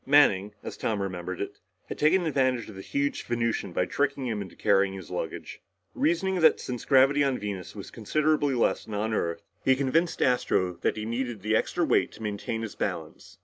Manning, as Tom remembered it, had taken advantage of the huge Venusian by tricking him into carrying his luggage. Reasoning that since the gravity of Venus was considerably less than that of Earth, he convinced Astro that he needed the extra weight to maintain his balance.